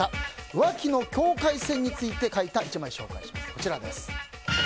浮気の境界線について書いた１枚紹介します。